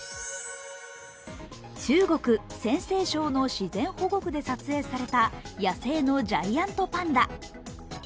中国・陝西省の自然保護区で撮影された野生のジャイアントパンダ。